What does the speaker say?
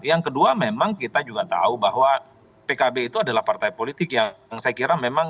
yang kedua memang kita juga tahu bahwa pkb itu adalah partai politik yang saya kira memang